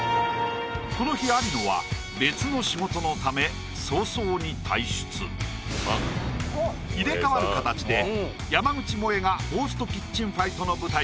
この日有野は別の仕事のため早々に退出入れ代わる形で山口もえがゴーストキッチンファイトの舞台